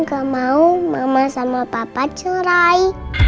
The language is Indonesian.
gak mau mama sama papa curai